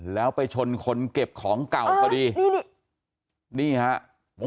แล้วไปชนคนเก็บของเก่าก็ดีในฟุตบาร์ตอยูุ่๊